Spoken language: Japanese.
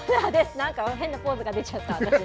なんか変なポーズが出ちゃった。